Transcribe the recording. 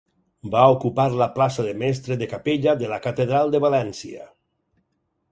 Va ocupar la plaça de mestre de capella de la Catedral de València.